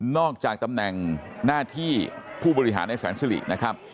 จากตำแหน่งหน้าที่ผู้บริหารในแสนสิรินะครับ